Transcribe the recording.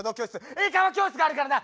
英会話教室があるからな！